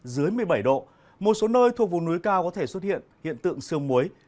dưới một mươi bảy độ một số nơi thuộc vùng núi cao có thể xuất hiện hiện tượng sương muối